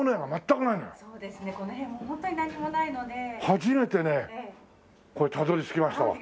初めてねたどり着きましたわ。